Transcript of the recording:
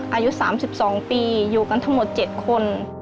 อายุ๓๒ปีอยู่กันทั้งหมด๗คน